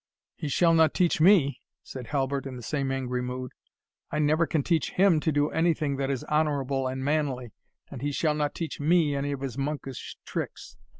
"He shall not teach me," said Halbert, in the same angry mood; "I never can teach him to do any thing that is honourable and manly, and he shall not teach me any of his monkish tricks.